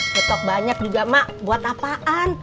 stok banyak juga mak buat apaan